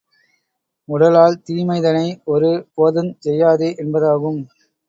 உடலால் தீமைதனை ஒரு போதுஞ் செய்யாதே! என்பதாகும்.